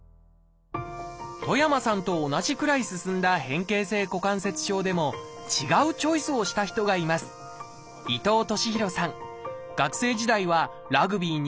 戸山さんと同じくらい進んだ変形性股関節症でも違うチョイスをした人がいます学生時代はラグビーに山登り